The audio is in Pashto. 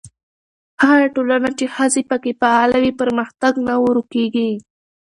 هغه ټولنه چې ښځې پکې فعاله وي، پرمختګ نه ورو کېږي.